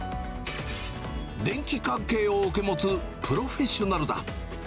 電気関係を受け持つプロフェッショナルだ。